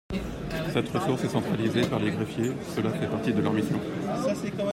Cette ressource est centralisée par les greffiers : cela fait partie de leur mission.